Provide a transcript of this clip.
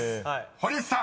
［堀内さん］